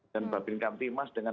dan mbak binka timas dengan